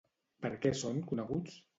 Per què són coneguts?